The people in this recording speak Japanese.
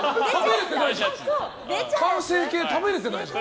完成形、食べれてないじゃん。